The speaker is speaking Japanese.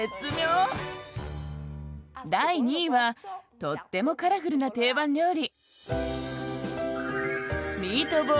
第２位はとってもカラフルな定番料理。